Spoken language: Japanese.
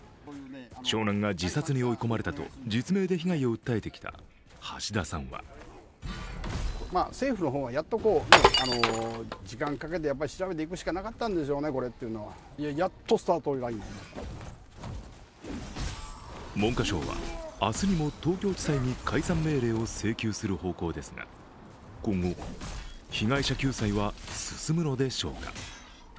長男が自殺に追い込まれたと実名で被害を訴えてきた橋田さんは文科省は明日にも東京地裁に解散命令を請求する方向ですが、今後、被害者救済は進むのでしょうか。